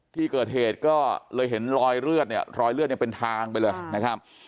ที่เกิดเหตุก็เลยเห็นรอยเลือดเนี่ยรอยเลือดเนี่ยเป็นทางไปเลยนะครับ